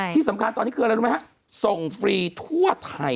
ที่สำคัญตอนนี้คืออะไรรู้ไหมฮะส่งฟรีทั่วไทย